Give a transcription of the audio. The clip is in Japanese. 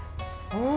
うん。